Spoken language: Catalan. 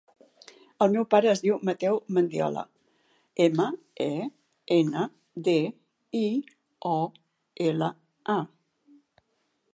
El meu pare es diu Mateu Mendiola: ema, e, ena, de, i, o, ela, a.